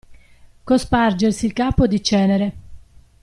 Cospargersi il capo di cenere.